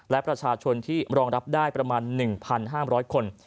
และประชาชนที่รองรับได้ประมาณ๑๕๐๐คน